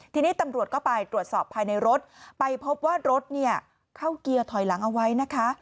ทีนี้ตำรวจก็ไปตรวจสอบภายในรถไปพบว่ารถเนี่ยเข้าเกียร์ถอยหลังเอาไว้นะคะ